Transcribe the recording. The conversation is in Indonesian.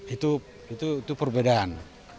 itu itu perbedaan